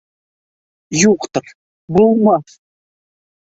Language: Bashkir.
Юҡтыр, булмаҫ.